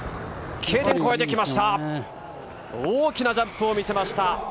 大きなジャンプを見せました。